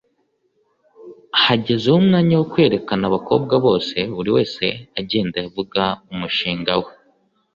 Hagezeho umwanya wo kwerekana abakobwa bose buri umwe agenda avuga umushinga we